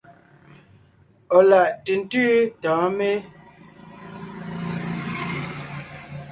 Ɔ̀ láʼ ntʉ̀ntʉ́ tɔ̌ɔn mé?